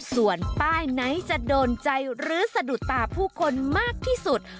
ส่วนป้ายไหนจะโดนใจหรือสะดุดตาผู้คนมากที่สุด